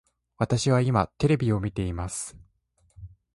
私は今テレビを見ています